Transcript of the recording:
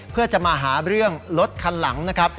เพื่อจะมาหาเรื่องรถคันหลังนะครับ